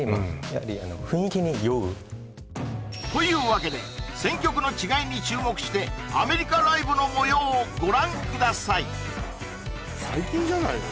やはり雰囲気に酔うというわけで選曲の違いに注目してアメリカライブのもようをご覧ください最近じゃないの？